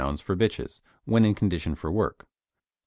for bitches when in condition for work.